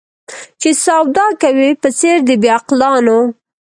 چي سودا کوې په څېر د بې عقلانو